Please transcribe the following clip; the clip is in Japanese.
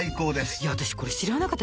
いや私これ知らなかった。